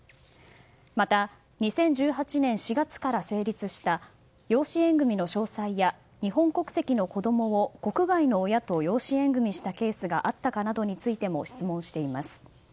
また２０１８年４月から成立した養子縁組の詳細や日本国籍の子供を国外の親と養子縁組したケースがあったかなどについても質問しています。